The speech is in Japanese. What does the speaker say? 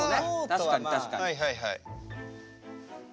確かに確かに。